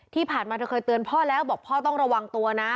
ที่ผ่านมาเธอเคยเตือนพ่อแล้วบอกพ่อต้องระวังตัวนะ